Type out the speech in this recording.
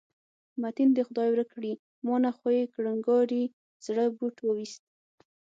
متین دې خدای ورک کړي، ما نه خو یې کړنګاري زړه بوټ وویست.